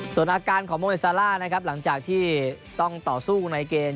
ส่วนอาการของโมเดซาล่านะครับหลังจากที่ต้องต่อสู้ในเกม